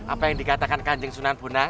apa yang dikatakan kanjeng sunan bunda